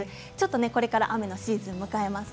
これから雨のシーズンを迎えます。